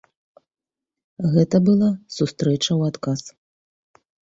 Гэта была сустрэча ў адказ.